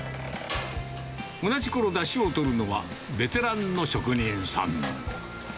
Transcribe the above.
同じころ、だしをとるのはベテランの職人さん。